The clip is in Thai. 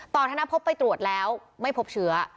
ธนพบไปตรวจแล้วไม่พบเชื้อ